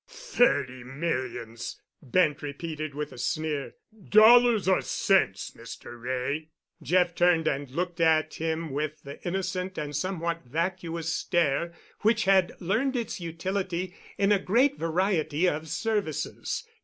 "Thirty millions!" Bent repeated with a sneer. "Dollars or cents, Mr. Wray?" Jeff turned and looked at him with the innocent and somewhat vacuous stare which had learned its utility in a great variety of services.